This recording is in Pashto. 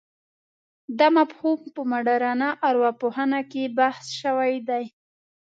دا مفهوم په مډرنه ارواپوهنه کې بحث شوی دی.